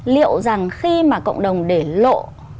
liệu rằng khi mà cộng đồng để lộ